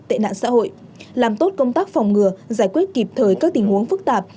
tệ nạn xã hội làm tốt công tác phòng ngừa giải quyết kịp thời các tình huống phức tạp